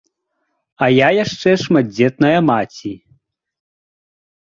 А я яшчэ шматдзетная маці.